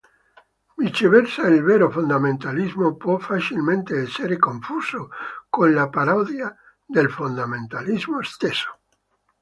Viceversa il vero fondamentalismo può facilmente essere confuso con la parodia del fondamentalismo stesso.